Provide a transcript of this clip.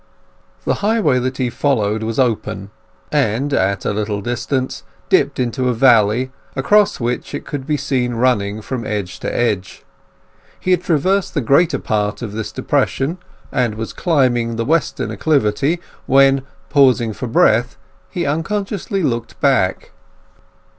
The highway that he followed was open, and at a little distance dipped into a valley, across which it could be seen running from edge to edge. He had traversed the greater part of this depression, and was climbing the western acclivity when, pausing for breath, he unconsciously looked back.